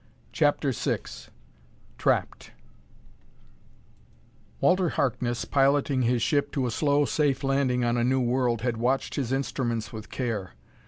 CHAPTER VI Trapped Walter Harkness, piloting his ship to a slow, safe landing on a new world, had watched his instruments with care.